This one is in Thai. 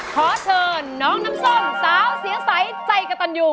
ขอเชิญน้องน้ำส้มสาวเสียงใสใจกระตันยู